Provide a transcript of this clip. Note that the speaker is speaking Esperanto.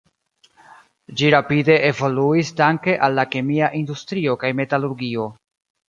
Ĝi rapide evoluis danke al la kemia industrio kaj metalurgio.